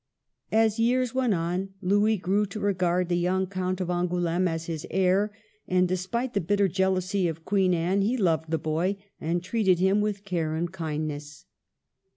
As years went on, Louis grew to regard the young Count of Angouleme as his heir, and, despite the bitter jealousy of Queen Anne, he loved the boy, and treated him with care and kindness.